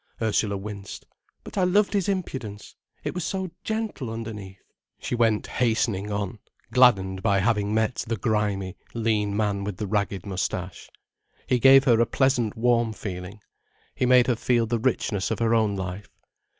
Ursula winced. "But I loved his impudence—it was so gentle underneath." She went hastening on, gladdened by having met the grimy, lean man with the ragged moustache. He gave her a pleasant warm feeling. He made her feel the richness of her own life.